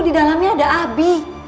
di dalamnya ada abi